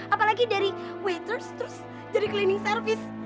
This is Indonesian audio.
apalagi dari waitress terus jadi cleaning service